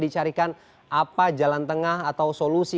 dicarikan apa jalan tengah atau solusi